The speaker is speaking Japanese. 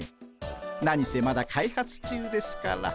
何せまだ開発中ですから。